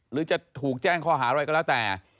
หรือจะถูกแจ้งข้อหาอะไรก็แล้วแต่